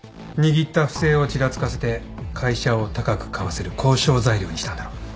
握った不正をちらつかせて会社を高く買わせる交渉材料にしたんだろ。